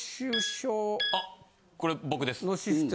あこれ僕です。